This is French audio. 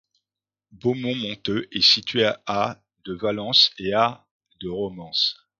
Beaumont-Monteux est situé à de Valence et à de Romans.